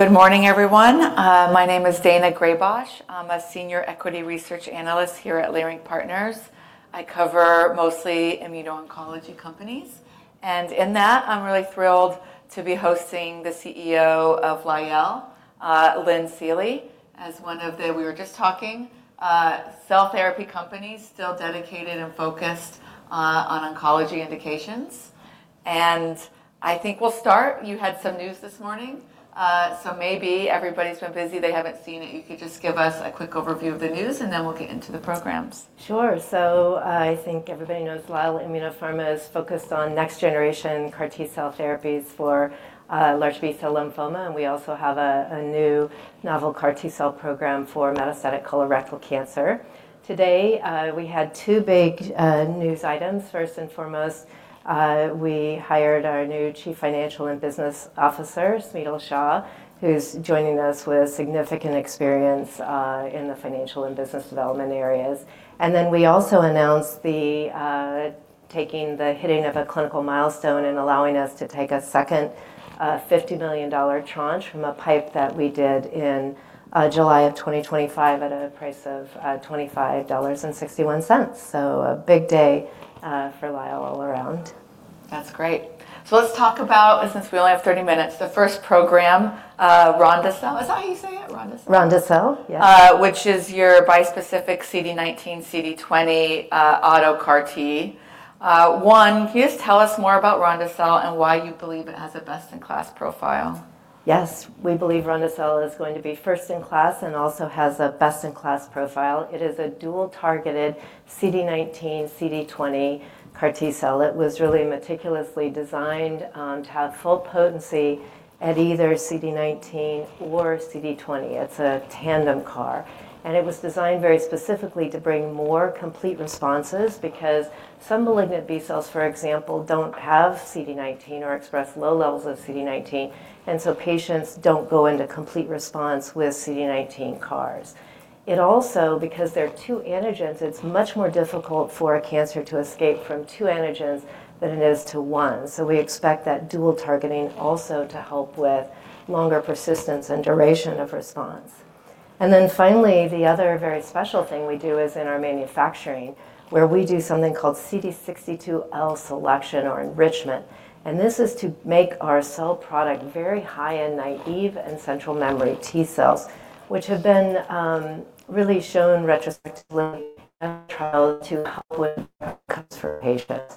Good morning everyone. My name is Daina Graybosch. I'm a senior equity research analyst here at Leerink Partners. I cover mostly immuno-oncology companies, and in that, I'm really thrilled to be hosting the CEO of Lyell, Lynn Seely. We were just talking, cell therapy companies still dedicated and focused on oncology indications. I think we'll start. You had some news this morning, so maybe everybody's been busy, they haven't seen it. You could just give us a quick overview of the news, and then we'll get into the programs. Sure. I think everybody knows Lyell Immunopharma is focused on next generation CAR T-cell therapies for large B-cell lymphoma, and we also have a new novel CAR T-cell program for metastatic colorectal cancer. Today, we had two big news items. First and foremost, we hired our new Chief Financial and Business Officer, Smital Shah, who's joining us with significant experience in the financial and business development areas. We also announced the taking the hitting of a clinical milestone and allowing us to take a second $50 million tranche from a pipe that we did in July 2025 at a price of $25.61. A big day for Lyell all around. That's great. Let's talk about, since we only have 30 minutes, the first program, ronde-cel. Is that how you say it, ronde-cel? Ronde-cel, yes. Which is your bispecific CD19, CD20, auto CAR T. One, can you just tell us more about ronde-cel and why you believe it has a best in class profile? Yes. We believe ronde-cel is going to be first in class and also has a best in class profile. It is a dual targeted CD19, CD20 CAR T-cell. It was really meticulously designed to have full potency at either CD19 or CD20. It's a tandem CAR. It was designed very specifically to bring more complete responses because some malignant B-cells, for example, don't have CD19 or express low levels of CD19, and so patients don't go into complete response with CD19 CARs. It also, because they're two antigens, it's much more difficult for a cancer to escape from two antigens than it is to one. We expect that dual targeting also to help with longer persistence and duration of response. Finally, the other very special thing we do is in our manufacturing, where we do something called CD62L selection or enrichment. This is to make our cell product very high in naive and central memory T-cells, which have been really shown retrospectively in trial to help with outcomes for patients.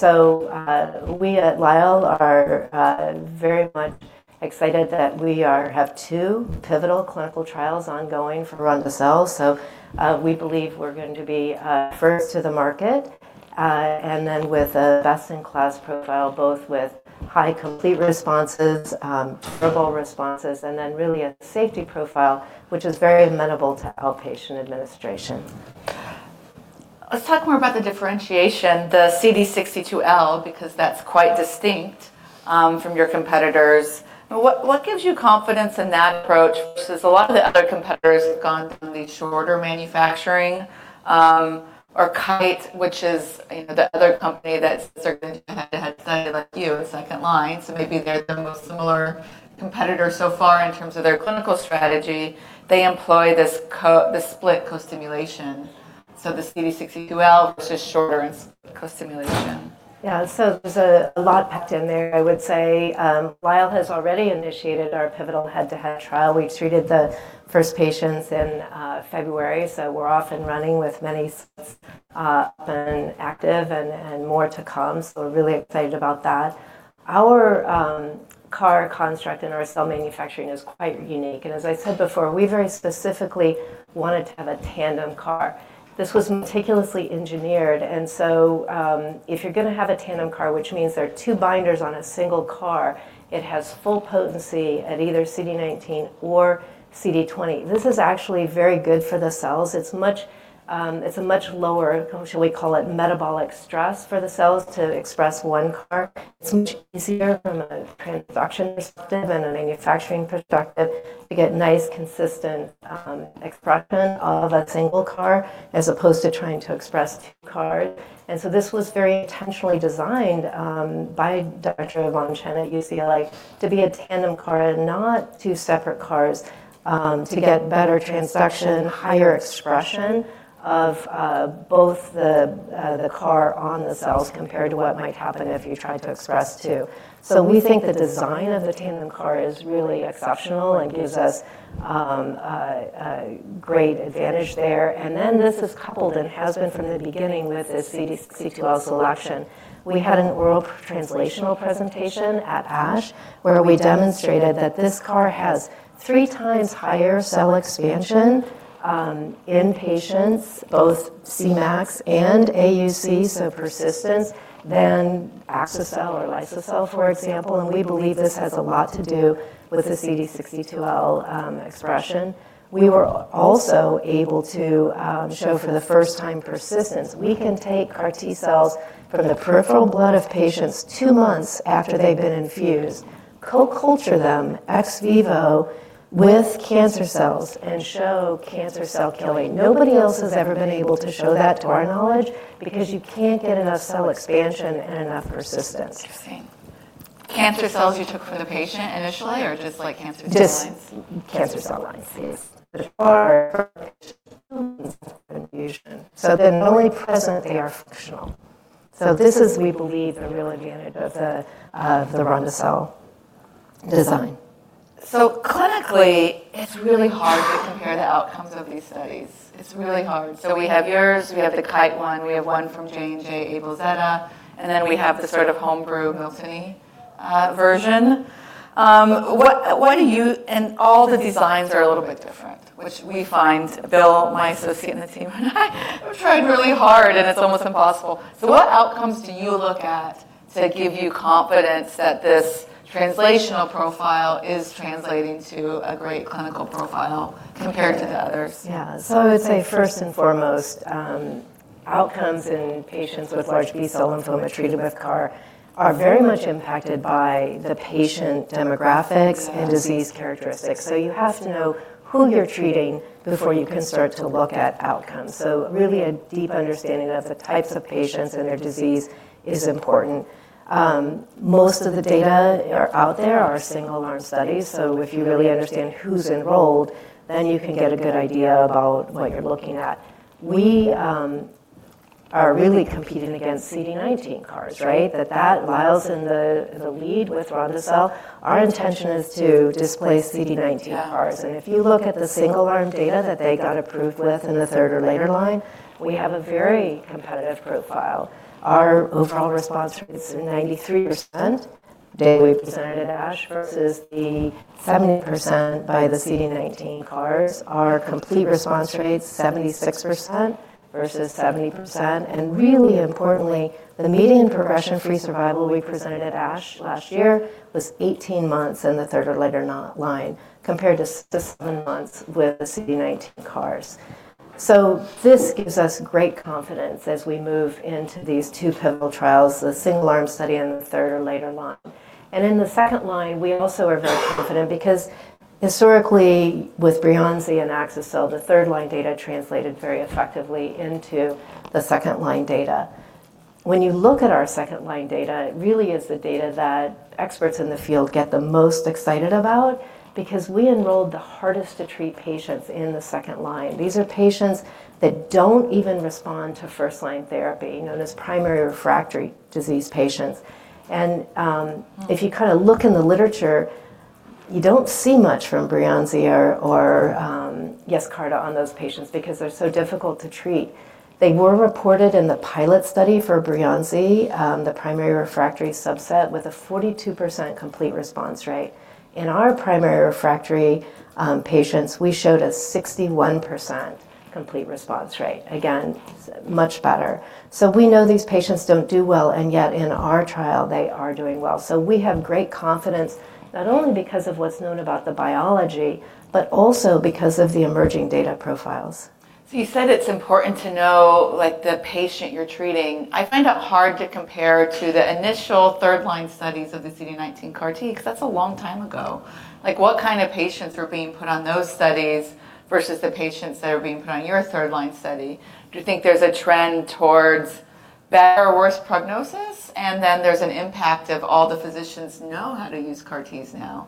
We at Lyell are very much excited that we have two pivotal clinical trials ongoing for ronde-cel. We believe we're going to be first to the market and then with a best in class profile, both with high complete responses, durable responses, and then really a safety profile, which is very amenable to outpatient administration. Let's talk more about the differentiation, the CD62L, because that's quite distinct from your competitors. What gives you confidence in that approach versus a lot of the other competitors have gone through the shorter manufacturing or Kite, which is, you know, the other company that certainly had to have signed like you, a second line. Maybe they're the most similar competitor so far in terms of their clinical strategy. They employ this split co-stimulation. The CD62L versus shorter co-stimulation. Yeah. There's a lot packed in there. I would say, Lyell has already initiated our pivotal head-to-head trial. We treated the first patients in February, we're off and running with many studies, been active and more to come. We're really excited about that. Our CAR construct and our cell manufacturing is quite unique. As I said before, we very specifically wanted to have a tandem CAR. This was meticulously engineered, if you're gonna have a tandem CAR, which means there are two binders on a single CAR, it has full potency at either CD19 or CD20. This is actually very good for the cells. It's much, it's a much lower, shall we call it metabolic stress for the cells to express one CAR. It's much easier from a transaction perspective and a manufacturing perspective to get nice, consistent expression of a single CAR as opposed to trying to express two CAR. This was very intentionally designed by Dr. Yvonne Chen at UCLA to be a tandem CAR and not two separate CARs, to get better transaction, higher expression of both the CAR on the cells compared to what might happen if you tried to express two. We think the design of the tandem CAR is really exceptional and gives us great advantage there. This is coupled, and has been from the beginning with the CD62L selection. We had an oral translational presentation at ASH, where we demonstrated that this CAR has three times higher cell expansion, in patients, both Cmax and AUC, so persistence, than axi-cel or liso-cel, for example. We believe this has a lot to do with the CD62L expression. We were also able to show for the first time persistence. We can take CAR T-cells from the peripheral blood of patients two months after they've been infused, co-culture them ex vivo with cancer cells and show cancer cell killing. Nobody else has ever been able to show that to our knowledge because you can't get enough cell expansion and enough persistence. Interesting. Cancer cells you took from the patient initially or just like cancer cell lines? Just cancer cell lines, yes. There's far infusion, so they're not only present, they are functional. This is, we believe, the real advantage of the ronde-cel design. Clinically, it's really hard to compare the outcomes of these studies. It's really hard. We have yours, we have the Kite one, we have one from J&J, cilta-cel, then we have the sort of home brew Miltenyi version. All the designs are a little bit different, which we find, Bill, my associate and the team and I, we've tried really hard, and it's almost impossible. What outcomes do you look at to give you confidence that this translational profile is translating to a great clinical profile compared to the others? Yeah. I would say first and foremost, outcomes in patients with large B-cell lymphoma treated with CAR are very much impacted by the patient demographics. Yeah And disease characteristics. You have to know who you're treating before you can start to look at outcomes. Really a deep understanding of the types of patients and their disease is important. Most of the data are out there are single-arm studies. If you really understand who's enrolled, then you can get a good idea about what you're looking at. We are really competing against CD19 CARs, right? That vials in the, in the lead with ronde-cel, our intention is to displace CD19 CARs. Yeah. If you look at the single-arm data that they got approved with in the third or later line, we have a very competitive profile. Our overall response rates is 93%, data we presented at ASH, versus the 70% by the CD19 CARs. Our complete response rate, 76% versus 70%. Really importantly, the median progression-free survival we presented at ASH last year was 18 months in the third or later line, compared to seven months with the CD19 CARs. This gives us great confidence as we move into these two pivotal trials, the single-arm study and the third or later line. In the second line, we also are very confident because historically with Breyanzi and axi-cel, the third line data translated very effectively into the second line data. When you look at our second line data, it really is the data that experts in the field get the most excited about because we enrolled the hardest to treat patients in the second line. These are patients that don't even respond to first-line therapy, known as primary refractory disease patients. If you kinda look in the literature, you don't see much from Breyanzi or YESCARTA on those patients because they're so difficult to treat. They were reported in the pilot study for Breyanzi, the primary refractory subset, with a 42% complete response rate. In our primary refractory patients, we showed a 61% complete response rate. Again, much better. We know these patients don't do well, and yet in our trial, they are doing well. We have great confidence, not only because of what's known about the biology, but also because of the emerging data profiles. You said it's important to know, like, the patient you're treating. I find it hard to compare to the initial third line studies of the CD19 CAR T, 'cause that's a long time ago. Like, what kind of patients were being put on those studies versus the patients that are being put on your third line study? Do you think there's a trend towards better or worse prognosis? There's an impact of all the physicians know how to use CAR Ts now.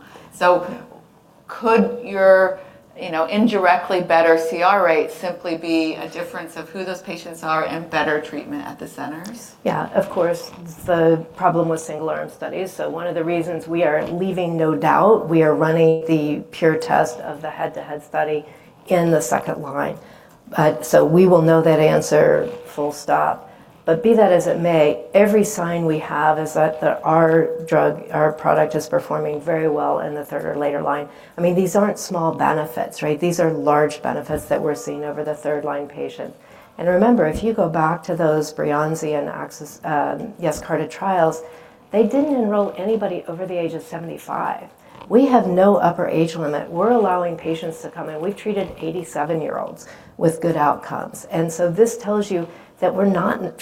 Could your, you know, indirectly better CR rate simply be a difference of who those patients are and better treatment at the centers? Yeah. Of course, the problem with single-arm studies, one of the reasons we are leaving no doubt, we are running the pure test of the head-to-head study in the second line. We will know that answer full stop. Be that as it may, every sign we have is that our drug, our product is performing very well in the third or later line. I mean, these aren't small benefits, right? These are large benefits that we're seeing over the third line patient. Remember, if you go back to those Breyanzi and axi-cel, YESCARTA trials, they didn't enroll anybody over the age of 75. We have no upper age limit. We're allowing patients to come in. We've treated 87-year-olds with good outcomes. This tells you that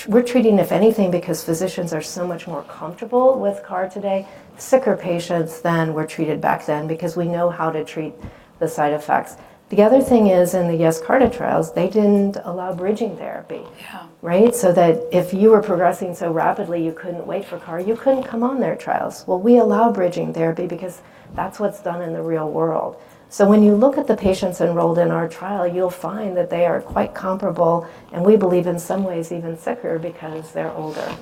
we're treating if anything, because physicians are so much more comfortable with CAR today, sicker patients than were treated back then because we know how to treat the side effects. The other thing is in the YESCARTA trials, they didn't allow bridging therapy. Yeah. Right? That if you were progressing so rapidly you couldn't wait for CAR, you couldn't come on their trials. Well, we allow bridging therapy because that's what's done in the real world. When you look at the patients enrolled in our trial, you'll find that they are quite comparable, and we believe in some ways even sicker because they're older.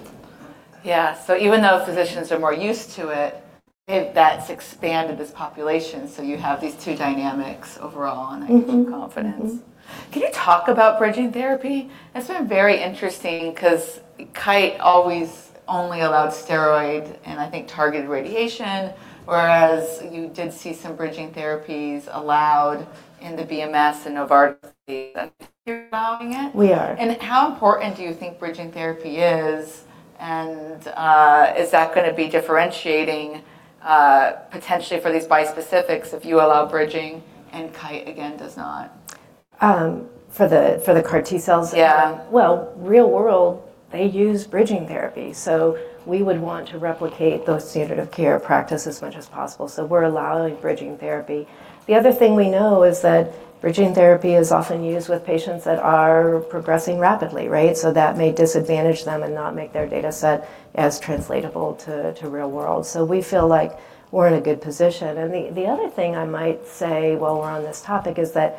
Yeah. Even though physicians are more used to it, that's expanded this population. You have these two dynamics overall. Mm-hmm... confidence. Mm-hmm. Can you talk about bridging therapy? That's been very interesting 'cause Kite always only allowed steroid and I think targeted radiation, whereas you did see some bridging therapies allowed in the BMS and Novartis allowing it. We are. How important do you think bridging therapy is? Is that gonna be differentiating potentially for these bispecifics if you allow bridging and Kite again does not? For the CAR T-cells? Yeah. Real world, they use bridging therapy. We would want to replicate those standard of care practice as much as possible. We're allowing bridging therapy. The other thing we know is that bridging therapy is often used with patients that are progressing rapidly, right? That may disadvantage them and not make their data set as translatable to real world. We feel like we're in a good position. The other thing I might say while we're on this topic is that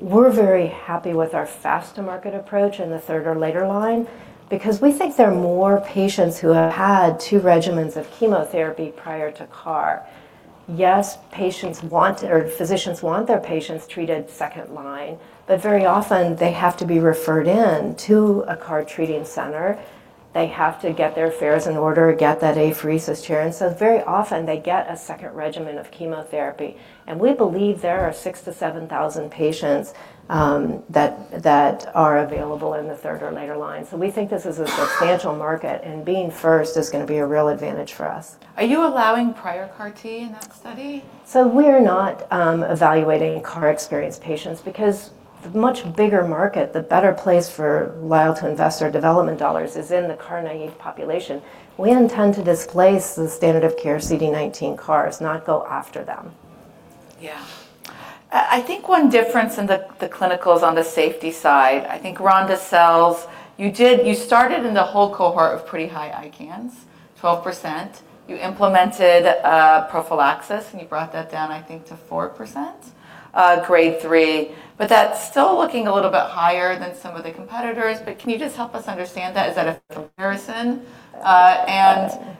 we're very happy with our fast-to-market approach in the third or later line because we think there are more patients who have had 2 regimens of chemotherapy prior to CAR. Patients want or physicians want their patients treated second line, very often they have to be referred in to a CAR treating center. They have to get their affairs in order, get that apheresis chair, and so very often they get a second regimen of chemotherapy. We believe there are 6,000-7,000 patients that are available in the third or later line. We think this is a substantial market, and being first is gonna be a real advantage for us. Are you allowing prior CAR T in that study? We're not evaluating CAR-experienced patients because the much bigger market, the better place for Lyell to invest our development dollars is in the CAR-naive population. We intend to displace the standard of care CD19 CARs, not go after them. I think one difference in the clinicals on the safety side, I think ronde-cel, you started in the whole cohort of pretty high ICANS, 12%. You implemented prophylaxis, and you brought that down, I think, to 4%, grade three. That's still looking a little bit higher than some of the competitors. Can you just help us understand that? Is that a comparison?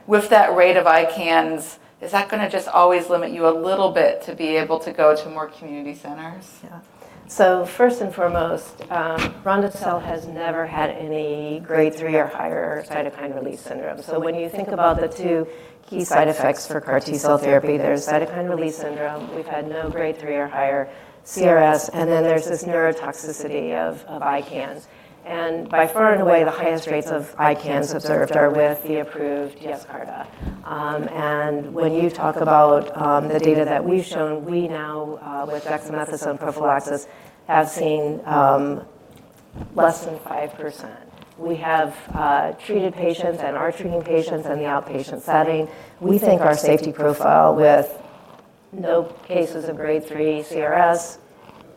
With that rate of ICANS, is that gonna just always limit you a little bit to be able to go to more community centers? First and foremost, ronde-cel has never had any grade three or higher cytokine release syndrome. When you think about the two key side effects for CAR T-cell therapy, there's cytokine release syndrome. We've had no grade three or higher CRS, then there's this neurotoxicity of ICANS. By far and away, the highest rates of ICANS observed are with the approved YESCARTA. When you talk about the data that we've shown, we now, with dexamethasone prophylaxis, have seen less than 5%. We have treated patients and are treating patients in the outpatient setting. We think our safety profile with no cases of grade three CRS,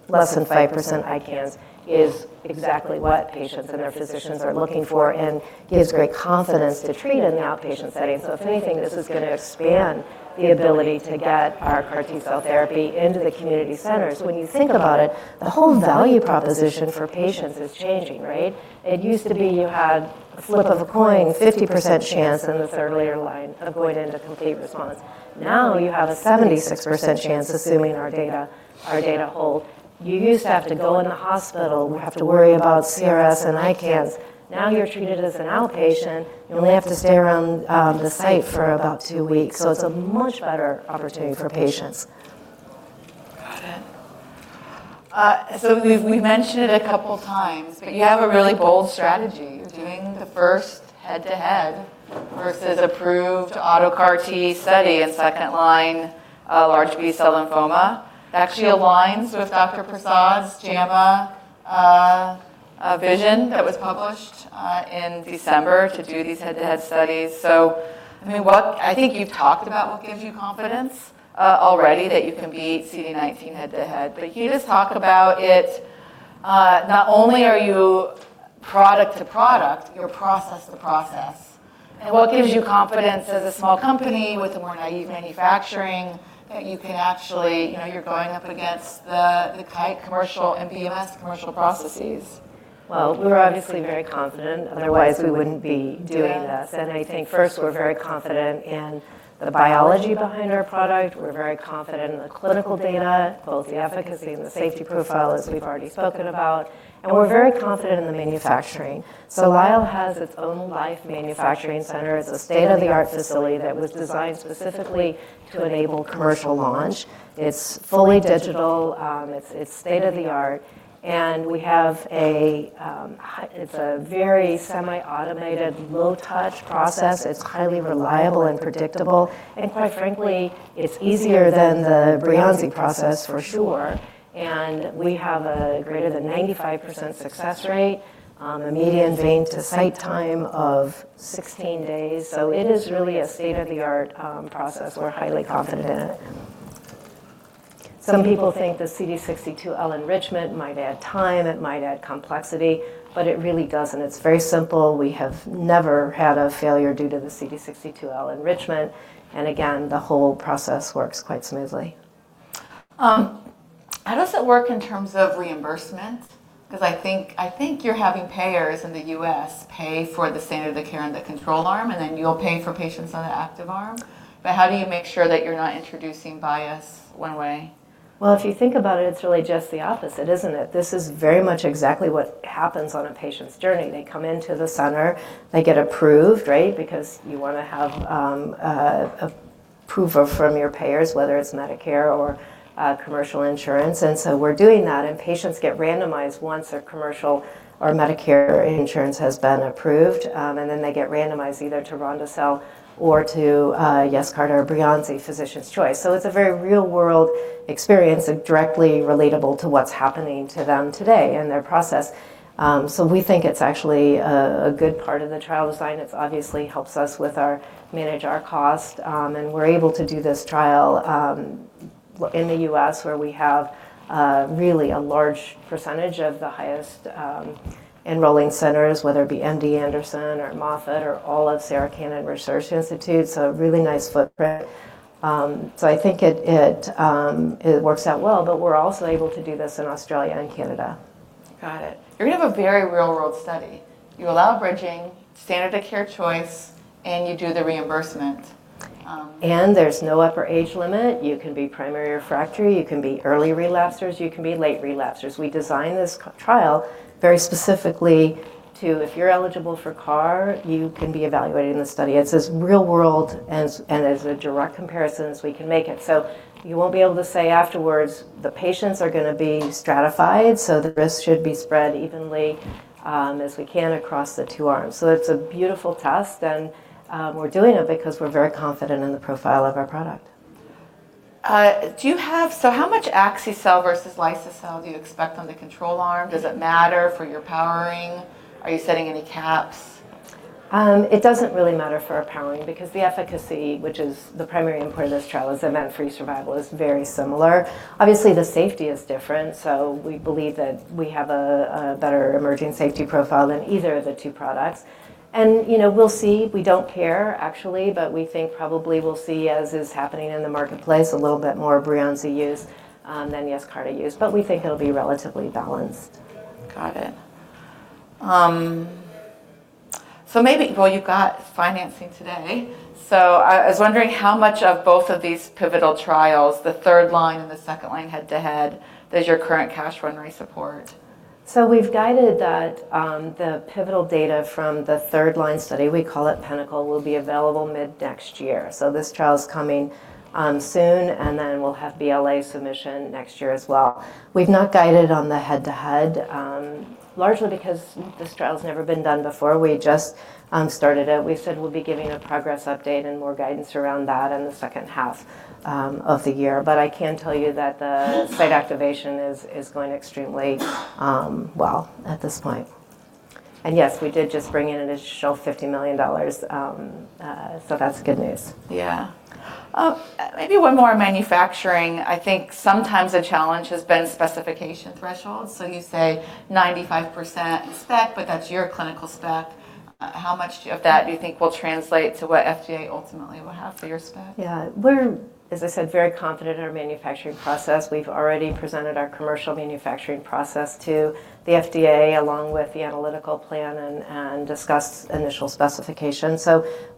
less than 5% ICANS, is exactly what patients and their physicians are looking for and gives great confidence to treat in the outpatient setting. If anything, this is gonna expand the ability to get our CAR T-cell therapy into the community centers. When you think about it, the whole value proposition for patients is changing, right? It used to be you had a flip of a coin, 50% chance in the third layer line of going into complete response. Now you have a 76% chance, assuming our data hold. You used to have to go in a hospital. We have to worry about CRS and ICANS. Now you're treated as an outpatient. You only have to stay around the site for about two weeks. It's a much better opportunity for patients. Got it. We've mentioned it a couple times, but you have a really bold strategy doing the first head-to-head versus approved auto CAR T study in second-line large B-cell lymphoma. That actually aligns with Dr. Prasad's [JAMA] vision that was published in December to do these head-to-head studies. I mean, I think you've talked about what gives you confidence already that you can beat CD19 head-to-head. Can you just talk about it? Not only are you product to product, you're process to process. What gives you confidence as a small company with a more naive manufacturing that you can actually. You know, you're going up against the Kite commercial and BMS commercial processes. Well, we're obviously very confident, otherwise we wouldn't be doing this. Yeah. I think first we're very confident in the biology behind our product. We're very confident in the clinical data, both the efficacy and the safety profile as we've already spoken about, and we're very confident in the manufacturing. Lyell has its own LyFE Manufacturing Center. It's a state-of-the-art facility that was designed specifically to enable commercial launch. It's fully digital. It's state-of-the-art, and we have a very semi-automated low touch process. It's highly reliable and predictable, and quite frankly, it's easier than the Breyanzi process for sure. We have a greater than 95% success rate, a median vein to site time of 16 days. It is really a state-of-the-art process. We're highly confident in it. Some people think the CD62L enrichment might add time, it might add complexity, but it really doesn't. It's very simple. We have never had a failure due to the CD62L enrichment, and again, the whole process works quite smoothly. How does it work in terms of reimbursement? Cause I think you're having payers in the U.S. pay for the standard of care in the control arm, and then you're paying for patients on the active arm. How do you make sure that you're not introducing bias one way? Well, if you think about it's really just the opposite, isn't it? This is very much exactly what happens on a patient's journey. They come into the center, they get approved, right? Because you wanna have Approval from your payers, whether it's Medicare or commercial insurance. We're doing that, and patients get randomized once their commercial or Medicare insurance has been approved. They get randomized either to ronde-cel or to YESCARTA or Breyanzi, physician's choice. It's a very real-world experience and directly relatable to what's happening to them today and their process. We think it's actually a good part of the trial design. It obviously helps us with our... manage our cost. We're able to do this trial in the U.S. where we have really a large percentage of the highest enrolling centers, whether it be MD Anderson or Moffitt or all of Sarah Cannon Research Institute. A really nice footprint. I think it works out well. We're also able to do this in Australia and Canada. Got it. You're gonna have a very real-world study. You allow bridging, standard of care choice, and you do the reimbursement. There's no upper age limit. You can be primary refractory, you can be early relapsers, you can be late relapsers. We designed this trial very specifically to if you're eligible for CAR, you can be evaluated in the study. It's as real world as, and as a direct comparison as we can make it. You won't be able to say afterwards, the patients are gonna be stratified, so the risk should be spread evenly as we can across the two arms. It's a beautiful test, and we're doing it because we're very confident in the profile of our product. How much axi-cel versus liso-cel do you expect on the control arm? Does it matter for your powering? Are you setting any caps? It doesn't really matter for our powering because the efficacy, which is the primary endpoint of this trial, is event-free survival, is very similar. Obviously, the safety is different, so we believe that we have a better emerging safety profile than either of the two products. You know, we'll see. We don't care actually, but we think probably we'll see, as is happening in the marketplace, a little bit more Breyanzi use than YESCARTA use. We think it'll be relatively balanced. Got it. Well, you got financing today. I was wondering how much of both of these pivotal trials, the third line and the second line head-to-head, does your current cash run rate support? We've guided that the pivotal data from the third line study, we call it PiNACLE, will be available mid-next year. This trial is coming soon, and we'll have BLA submission next year as well. We've not guided on the head-to-head, largely because this trial's never been done before. We just started it. We said we'll be giving a progress update and more guidance around that in the second half of the year. I can tell you that the site activation is going extremely well at this point. Yes, we did just bring in an additional $50 million. That's good news. Yeah. Maybe one more on manufacturing. I think sometimes the challenge has been specification thresholds. You say 95% in spec, but that's your clinical spec. How much of that do you think will translate to what FDA ultimately will have for your spec? Yeah. We're, as I said, very confident in our manufacturing process. We've already presented our commercial manufacturing process to the FDA along with the analytical plan and discussed initial specifications.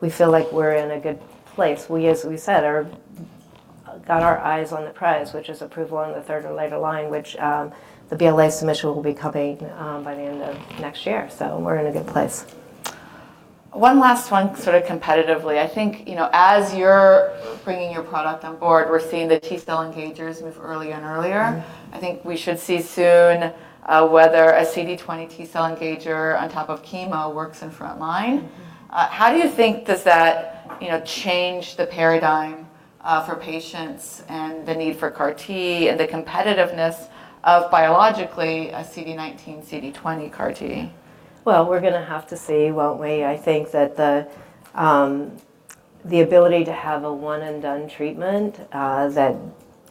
We feel like we're in a good place. We, as we said, are got our eyes on the prize, which is approval on the third or later line, which, the BLA submission will be coming by the end of next year. We're in a good place. One last one sort of competitively. I think, you know, as you're bringing your product on board, we're seeing the T-cell engagers move early and earlier. Mm-hmm. I think we should see soon whether a CD20 T-cell engager on top of chemo works in front line. How do you think does that, you know, change the paradigm for patients and the need for CAR-T and the competitiveness of biologically a CD19, CD20 CAR-T? Well, we're gonna have to see, won't we? I think that the ability to have a one-and-done treatment that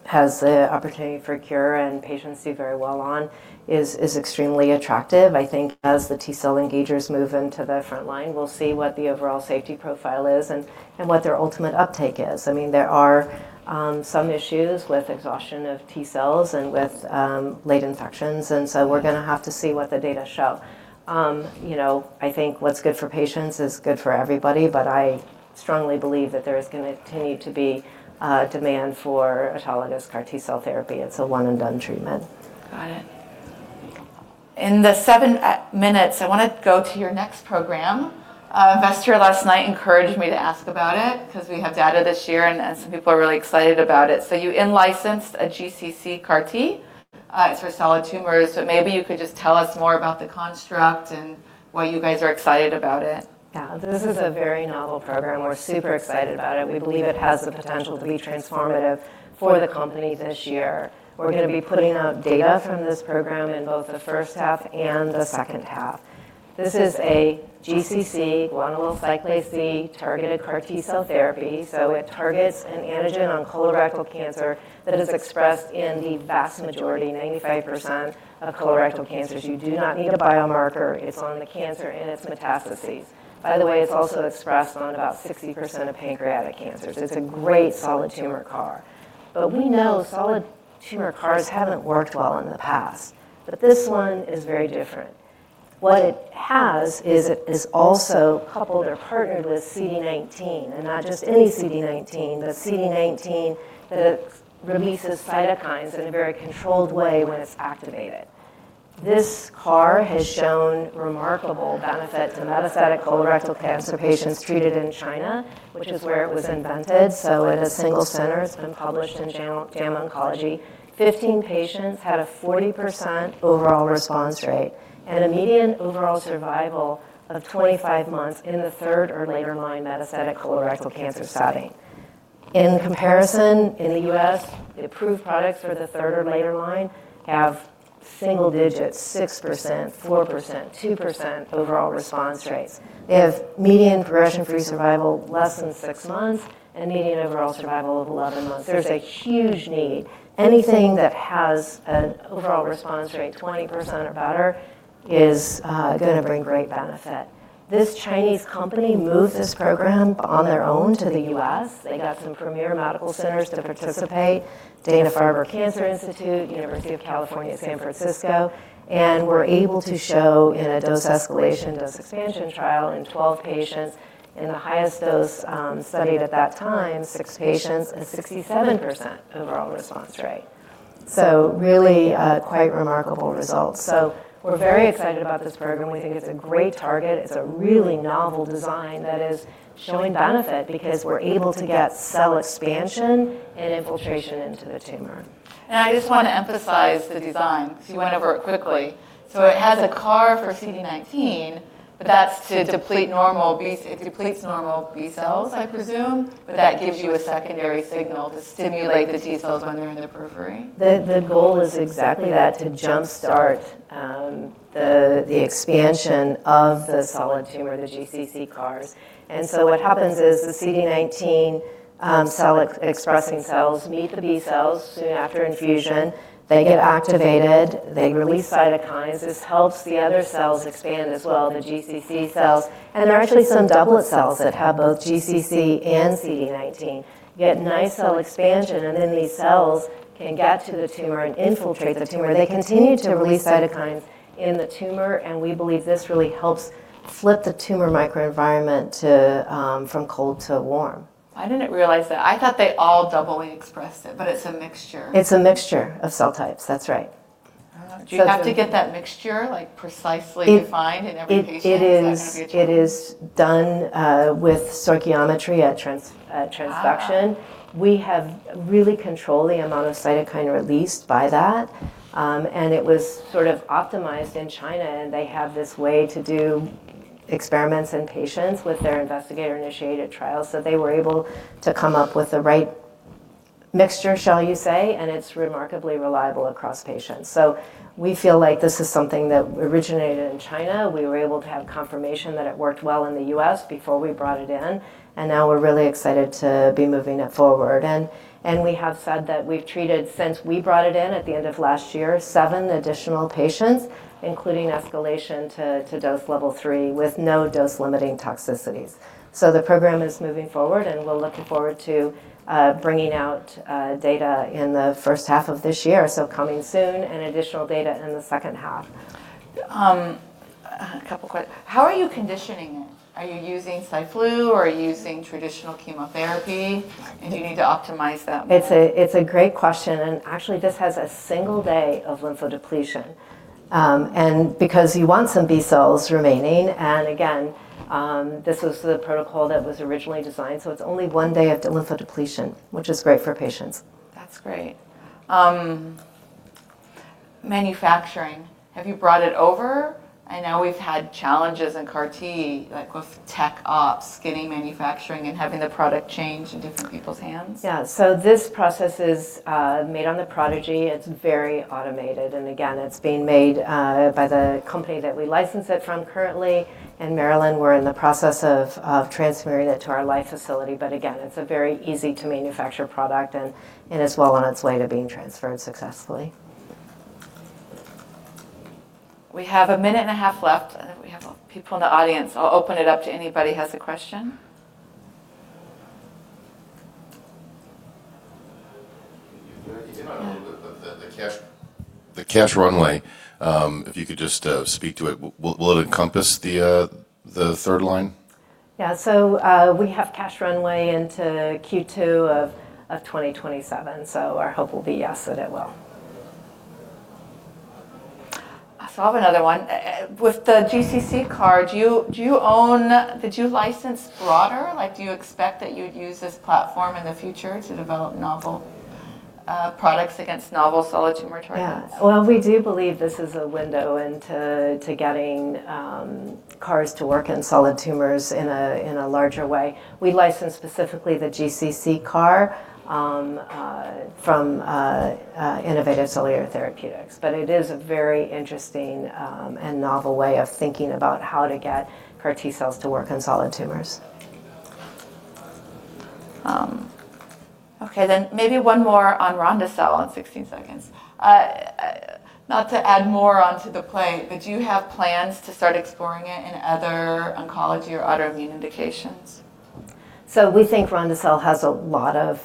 has the opportunity for cure and patients do very well on is extremely attractive. I think as the T-cell engagers move into the front line, we'll see what the overall safety profile is and what their ultimate uptake is. I mean, there are some issues with exhaustion of T-cells and with late infections, so we're gonna have to see what the data show. You know, I think what's good for patients is good for everybody, I strongly believe that there is gonna continue to be demand for autologous CAR T-cell therapy. It's a one-and-done treatment. Got it. In the seven minutes, I wanna go to your next program. An investor last night encouraged me to ask about it 'cause we have data this year and some people are really excited about it. You in-licensed a GCC CAR T-cell, it's for solid tumors, so maybe you could just tell us more about the construct and why you guys are excited about it. This is a very novel program. We're super excited about it. We believe it has the potential to be transformative for the company this year. We're gonna be putting out data from this program in both the first half and the second half. This is a GCC, guanylyl cyclase C, targeted CAR T-cell therapy. It targets an antigen on colorectal cancer that is expressed in the vast majority, 95%, of colorectal cancers. You do not need a biomarker. It's on the cancer and its metastases. By the way, it's also expressed on about 60% of pancreatic cancers. It's a great solid tumor CAR. We know solid tumor CARs haven't worked well in the past, but this one is very different. What it has is it is also coupled or partnered with CD19, and not just any CD19, but CD19 that releases cytokines in a very controlled way when it's activated. This CAR has shown remarkable benefit to metastatic colorectal cancer patients treated in China, which is where it was invented. In a single center, it's been published in JAMA Oncology. 15 patients had a 40% overall response rate and a median overall survival of 25 months in the third or later line metastatic colorectal cancer setting. In comparison, in the U.S., approved products for the third or later line have single digits, 6%, 4%, 2% overall response rates. They have median progression-free survival less than six months and median overall survival of 11 months. There's a huge need. Anything that has an overall response rate 20% or better is gonna bring great benefit. This Chinese company moved this program on their own to the U.S. They got some premier medical centers to participate, Dana-Farber Cancer Institute, University of California San Francisco, and were able to show in a dose escalation, dose expansion trial in 12 patients in the highest dose, studied at that time, six patients, a 67% overall response rate. Really, quite remarkable results. We're very excited about this program. We think it's a great target. It's a really novel design that is showing benefit because we're able to get cell expansion and infiltration into the tumor. I just wanna emphasize the design 'cause you went over it quickly. It has a CAR for CD19, that's to deplete normal B cells, I presume? That gives you a secondary signal to stimulate the T cells when they're in the periphery? The goal is exactly that, to jump-start the expansion of the solid tumor, the GCC CARs. What happens is the CD19 cell expressing cells meet the B cells soon after infusion. They get activated. They release cytokines. This helps the other cells expand as well, the GCC cells. There are actually some doublet cells that have both GCC and CD19. You get nice cell expansion. Then these cells can get to the tumor and infiltrate the tumor. They continue to release cytokines in the tumor. We believe this really helps flip the tumor microenvironment to from cold to warm. I didn't realize that. I thought they all doubly expressed it, but it's a mixture. It's a mixture of cell types. That's right. Oh, do you have to get that mixture, like, precisely defined in every patient? It. Is that gonna be a challenge? It is done with stoichiometry at transduction. Ah. We have really controlled the amount of cytokine released by that, and it was sort of optimized in China, and they have this way to do experiments in patients with their investigator-initiated trials. They were able to come up with the right mixture, shall you say, and it's remarkably reliable across patients. We feel like this is something that originated in China. We were able to have confirmation that it worked well in the U.S. before we brought it in, and now we're really excited to be moving it forward. We have said that we've treated, since we brought it in at the end of last year, seven additional patients, including escalation to dose level three with no dose-limiting toxicities. The program is moving forward, and we're looking forward to bringing out data in the first half of this year, coming soon, and additional data in the second half. How are you conditioning it? Are you using Flu/Cy, or are you using traditional chemotherapy? Do you need to optimize that more? It's a, it's a great question. Actually, this has a single day of lymphodepletion. Because you want some B cells remaining. Again, this was the protocol that was originally designed. It's only one day of de-lymphodepletion, which is great for patients. That's great. Manufacturing. Have you brought it over? I know we've had challenges in CAR T, like with tech ops, getting manufacturing and having the product change in different people's hands. Yeah. This process is made on the Prodigy. It's very automated. Again, it's being made by the company that we license it from currently. In Maryland, we're in the process of transferring it to our LyFE facility. Again, it's a very easy-to-manufacture product and is well on its way to being transferred successfully. We have a minute and a half left, and then we have people in the audience. I'll open it up to anybody who has a question. You hit on it a little bit, but the cash runway, if you could just speak to it, will it encompass the third line? Yeah. We have cash runway into Q2 of 2027, so our hope will be yes, that it will. I still have another one. with the GCC CAR, do you own? Did you license broader? Like, do you expect that you'd use this platform in the future to develop novel products against novel solid tumor targets? Yeah. Well, we do believe this is a window into getting CARs to work in solid tumors in a larger way. We licensed specifically the GCC CAR from Innovative Cellular Therapeutics. It is a very interesting and novel way of thinking about how to get CAR T-cells to work in solid tumors. Okay, maybe one more on ronde-cel in 16 seconds. Not to add more onto the plate, but do you have plans to start exploring it in other oncology or autoimmune indications? We think ronde-cel has a lot of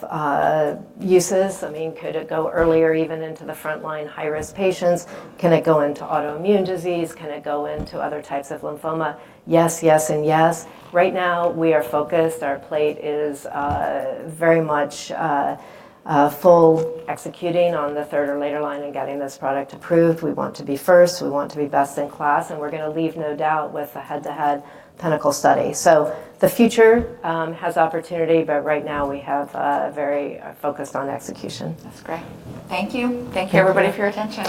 uses. I mean, could it go earlier, even into the front line, high-risk patients? Can it go into autoimmune disease? Can it go into other types of lymphoma? Yes, yes, and yes. Right now, we are focused. Our plate is very much full executing on the third or later line and getting this product approved. We want to be first. We want to be best in class, and we're gonna leave no doubt with a head-to-head PiNACLE study. The future has opportunity, but right now we have very focused on execution. That's great. Thank you. Thank you, everybody, for your attention.